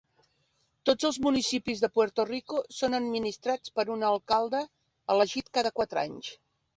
Tots els municipis de Puerto Rico són administrats per un alcalde, elegit cada quatre anys.